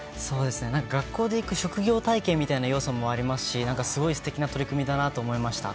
学校で行く職業体験みたいな良さもありますしすごく素敵な取り組みだなと思いました。